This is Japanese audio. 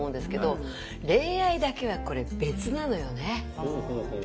ほうほうほうほう。